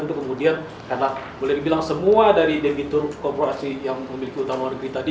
itu kemudian karena boleh dibilang semua dari debitur korporasi yang memiliki utama negeri tadi